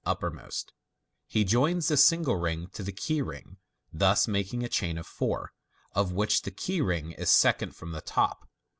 407 uppermost) he joins the single ring to the key ring, thus making a chain of four, of which the key ring is second from the top.